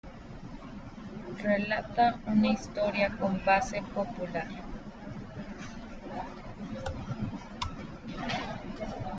Relata una historia con base popular.